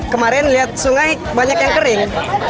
kemarin lihat sungai banyak yang kering